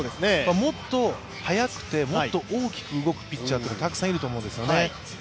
もっと速くてもっと大きく動くピッチャーもたくさんいると思うんですよね。